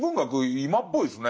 今っぽいですね。